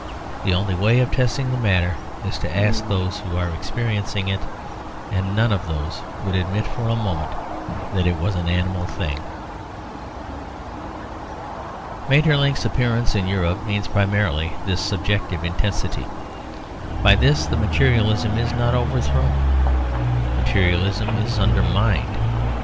The only way of testing the matter is to ask those who are experiencing it, and none of those would admit for a moment that it was an animal thing. Maeterlinck's appearance in Europe means primarily this subjective intensity; by this the materialism is not overthrown: materialism is undermined.